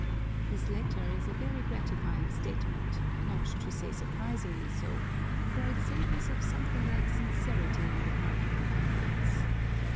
This latter is a very gratifying statement, not to say surprisingly so, for it savors of something like sincerity on the part of the converts.